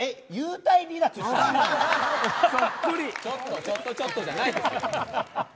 ちょっとちょっとちょっとじゃないですよ。